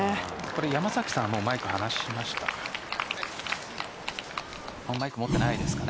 山崎さんはマイク離しましたか。